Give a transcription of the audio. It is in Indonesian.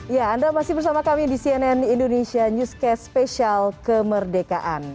ya anda masih bersama kami di cnn indonesia newscast spesial kemerdekaan